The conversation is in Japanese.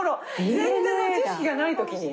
全然知識がない時に。